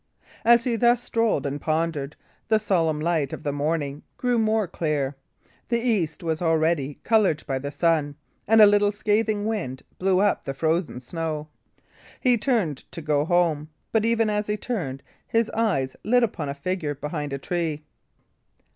As he thus strolled and pondered, the solemn light of the morning grew more clear, the east was already coloured by the sun, and a little scathing wind blew up the frozen snow. He turned to go home; but even as he turned, his eye lit upon a figure behind, a tree.